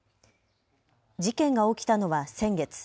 事件が起きたのは先月。